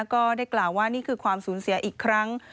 ก็ได้กล่าวว่านี่คือความสูญเสียอีกครั้ง